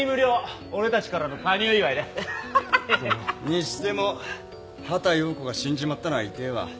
にしても畑葉子が死んじまったのは痛えわ。